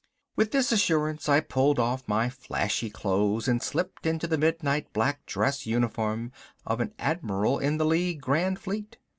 With this assurance I pulled off my flashy clothes and slipped into the midnight black dress uniform of an admiral in the League Grand Fleet.